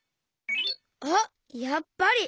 あっやっぱり！